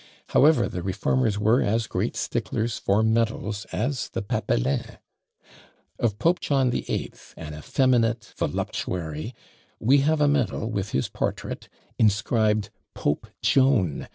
However, the reformers were as great sticklers for medals as the "papelins." Of Pope John VIII., an effeminate voluptuary, we have a medal with his portrait, inscribed _Pope Joan!